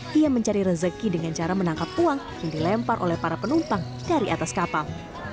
dia mencari rezeki dengan cara menangkap uang yang dilempar oleh para penumpang dari atas kapal